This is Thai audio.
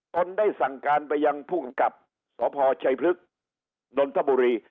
ตนได้สั่งการไปยังผู้กำกับสพชัยพฤกษ์นนทบุรี